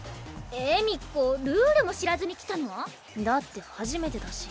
恵美子ルールも知らずに来たの？だって初めてだし。